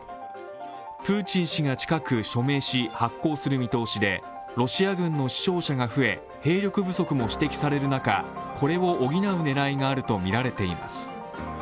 プーチン氏が近く署名し、発効する見通しでロシア軍の死傷者が増え兵力不足も指摘される中これを補う狙いがあるとみられています。